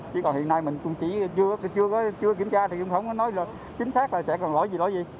chứ còn hiện nay mình cũng chỉ chưa kiểm tra thì không có nói là chính xác là sẽ còn lỗi gì lỗi gì